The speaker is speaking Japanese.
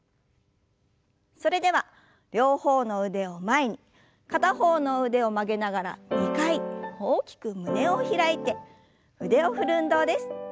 それでは両方の腕を前に片方の腕を曲げながら２回大きく胸を開いて腕を振る運動です。